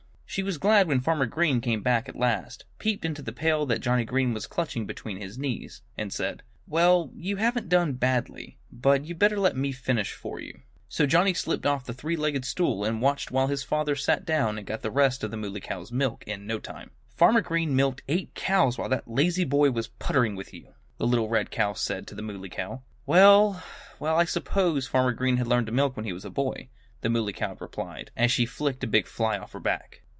She was glad when Farmer Green came back at last, peeped into the pail that Johnnie was clutching between his knees, and said, "Well, you haven't done badly. But you'd better let me finish for you." So Johnnie slipped off the three legged stool and watched while his father sat down and got the rest of the Muley Cow's milk in no time. "Farmer Green milked eight cows while that lazy boy was puttering with you," the little red cow said to the Muley Cow. "Well, well! I suppose Farmer Green had to learn to milk when he was a boy," the Muley Cow replied, as she flicked a big fly off her back.